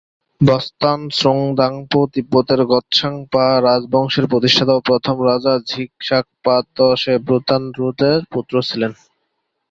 ব্স্তান-স্রুং-দ্বাং-পো তিব্বতের গ্ত্সাং-পা রাজবংশের প্রতিষ্ঠাতা ও প্রথম রাজা ঝিগ-শাগ-পা-ত্শে-ব্র্তান-র্দো-র্জের পুত্র ছিলেন।